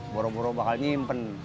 boro boro bakal nyimpen